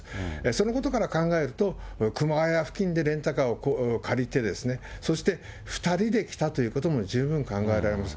そのことから考えると、熊谷付近でレンタカーを借りて、そして２人で来たということも十分考えられます。